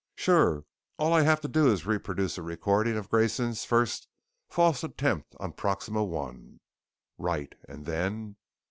"Sure. All I have to do is to reproduce a recording of Grayson's first false attempt on Proxima I." "Right. And then?"